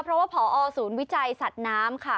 เพราะว่าพอศูนย์วิจัยสัตว์น้ำค่ะ